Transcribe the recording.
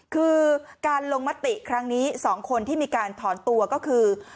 คือการลงมติครั้งนี้๒คนที่มีการถอนตัวก็คือ